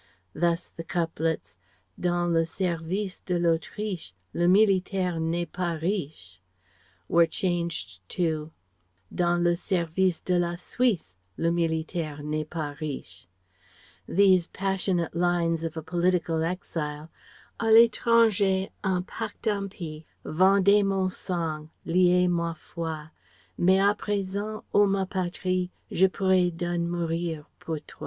Thus the couplets "Dans le service de l'Autriche Le militaire n'est pas riche" were changed to "Dans le service de la Suisse Le militaire n'est pas riche." These passionate lines of a political exile: "A l'étranger un pacte impie Vendait mon sang, liait ma foi, Mais à present, o ma patrie Je pourrai done mourir pour toi!"